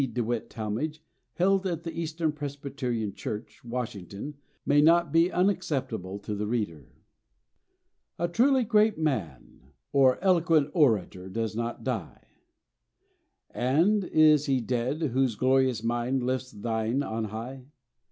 DeWitt Talmage held at the Eastern Presbyterian Church, Washington, may not be unacceptable to the reader: "A truly great man or eloquent orator does not die 'And is he dead whose glorious mind Lifts thine on high?